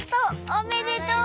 おめでとう！